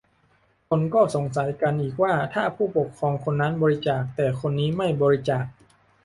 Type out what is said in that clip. คนก็สงสัยกันอีกว่า ถ้าผู้ปกครองคนนั้นบริจาค แต่คนนี้ไม่บริจาค